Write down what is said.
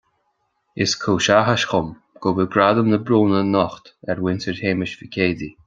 Is cúis áthais dom go bhfuil Gradam le bronnadh anocht ar Mhuintir Shéamuis Mhic Géidigh